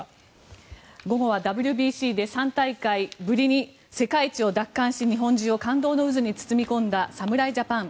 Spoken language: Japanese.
午後はＷＢＣで３大会ぶりに世界一を奪還し日本中を感動の渦に包み込んだ侍ジャパン。